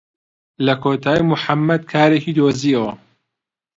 لە کۆتایی موحەممەد کارێکی دۆزییەوە.